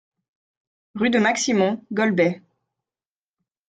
Rue de Maximont, Golbey